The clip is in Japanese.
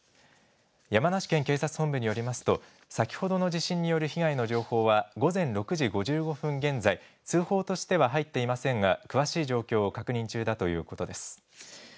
山梨県警察本部によりますと、先ほどの地震による被害の情報は午前６時５５分現在、通報としては入っていませんが、詳しい状況を確認中だということです。